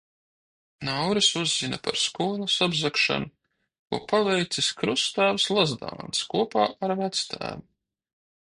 Nauris uzzina par skolas apzagšanu, ko paveicis krusttēvs Lazdāns kopā ar vectēvu.